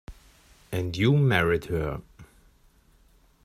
And you married her.